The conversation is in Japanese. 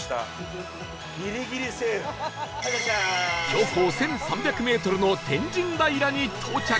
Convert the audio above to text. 標高１３００メートルの天神平に到着